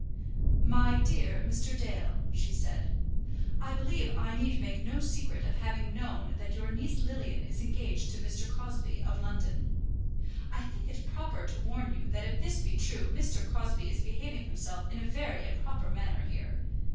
MY DEAR MR. DALE [she said], I believe I need make no secret of having known that your niece Lilian is engaged to Mr. Crosbie, of London. I think it proper to warn you that if this be true Mr. Crosbie is behaving himself in a very improper manner here.